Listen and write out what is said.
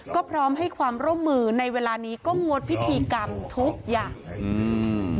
ก็พร้อมให้ความร่วมมือในเวลานี้ก็งดพิธีกรรมทุกอย่างอืม